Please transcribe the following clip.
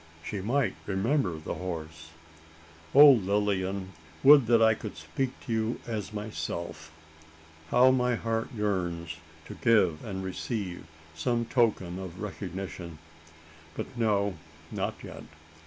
She might remember the horse? "Oh, Lilian! would that I could speak to you as myself! How my heart yearns to give and receive some token of recognition? But no not yet.